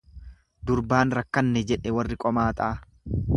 Durbaan rakkanne jedhe warri qomaaxaa.